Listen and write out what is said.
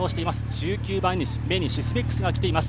１９番目にシスメックスがきています。